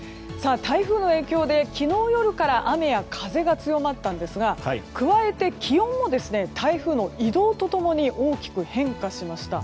台風の影響で昨日夜から雨や風が強まったんですが加えて、気温も台風の移動と共に大きく変化しました。